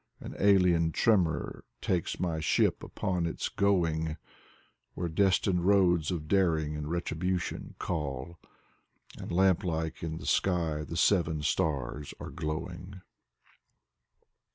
An alien tremor takes my ship upon its going Where destined roads of daring and retribution call. And lamp like in the sky the Seven Stars are glowing.